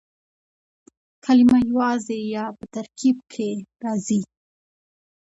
کلیمه یوازي یا په ترکیب کښي راځي.